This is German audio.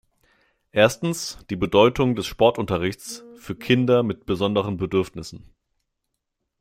Erstens, die Bedeutung des Sportunterrichts für Kinder mit besonderen Bedürfnissen.